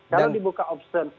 kalau dibuka option